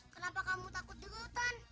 kenapa kamu takut juga hutan